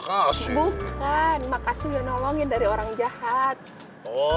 oh bukan makasih udah nolongin dari orang jahat